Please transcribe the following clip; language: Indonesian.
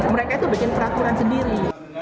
mereka itu bikin peraturan sendiri